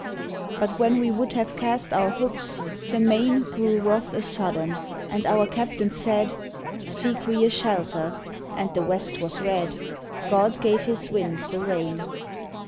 But when we would have cast our hooks, the main Grew wroth a sudden, and our captains said: "Seek we a shelter." And the west was red; God gave his winds the rein.